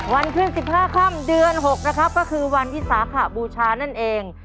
วันขึ้น๑๕ค่ำเดือน๖นะครับก็คือวันวิสาขบูชานั่นเอง